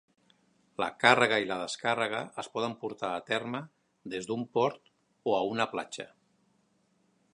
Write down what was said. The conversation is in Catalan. La càrrega i la descàrrega es poden portar a terme des d"un port o a una platja.